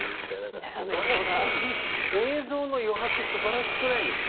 映像の余白すばらしくないですか。